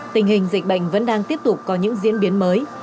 tình hình dịch bệnh vẫn đang tiếp tục có những diễn biến mới